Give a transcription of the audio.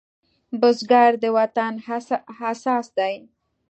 بزګر د وطن اساس دی